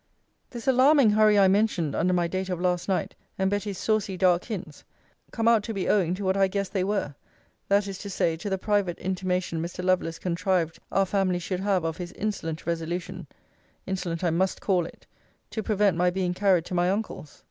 This alarming hurry I mentioned under my date of last night, and Betty's saucy dark hints, come out to be owing to what I guessed they were; that is to say, to the private intimation Mr. Lovelace contrived our family should have of his insolent resolution [insolent I must call it] to prevent my being carried to my uncle's.